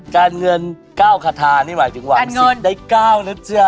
การเงิน๙คาทานี่หมายถึงวาง๑๐ได้๙นะจ๊ะ